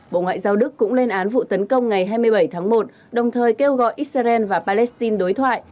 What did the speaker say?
bộ ngoại giao đức cũng lên án vụ tấn công ngày hai mươi bảy tháng một đồng thời kêu gọi israel và palestine đối thoại